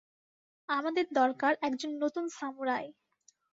আমাদের দরকার একজন নতুন সামুরাই।